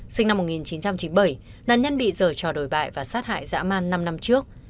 sinh năm một nghìn chín trăm chín mươi bảy nạn nhân bị dở cho đổi bại và sát hại dã man năm năm trước